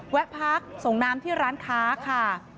แวะพักส่งน้ำที่ร้านค้าค่ะ